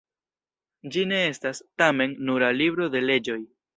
Ĝi ne estas, tamen, nura libro de leĝoj.